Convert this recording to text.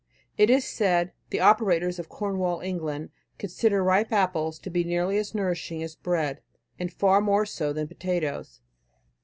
It is said, "The operators of Cornwall, England, consider ripe apples nearly as nourishing as bread, and far more so than potatoes.